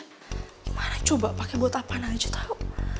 gimana coba pake buat apaan aja tau